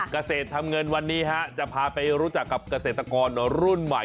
เกษตรทำเงินวันนี้จะพาไปรู้จักกับเกษตรกรรุ่นใหม่